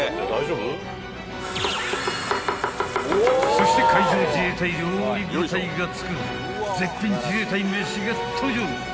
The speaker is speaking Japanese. ［そして海上自衛隊料理部隊が作る絶品自衛隊メシが登場］